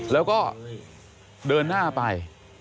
แล้วก็เดินหน้าไป